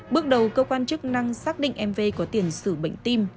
bước đầu cơ quan chức năng xác định em v có tiền xử bệnh tim